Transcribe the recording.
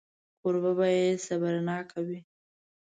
کوربه باید صبرناک وي.